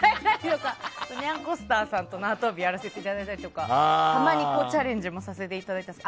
にゃんこスターさんと縄跳びさせていただいたりとかたまにチャレンジもさせていただいたり。